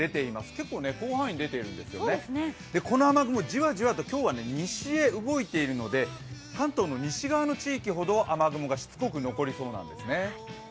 結構ね、広範囲に出てるんですよねこの雨雲、じわじわと今日は西に動いているので関東の西側の地域ほど雨雲がしつこく残りそうなんですね。